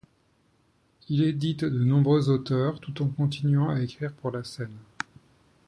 Il édite de nombreux auteurs tout en continuant à écrire pour la scène.